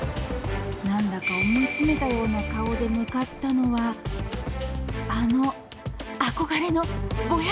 何だか思い詰めたような顔で向かったのはあの憧れの５００人の会場！